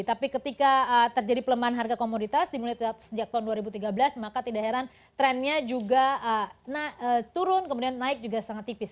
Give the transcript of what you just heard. tapi ketika terjadi pelemahan harga komoditas dimulai sejak tahun dua ribu tiga belas maka tidak heran trennya juga turun kemudian naik juga sangat tipis